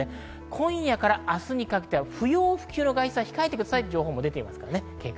今夜から明日にかけては不要不急の外出は控えてくださいという情報が出ています。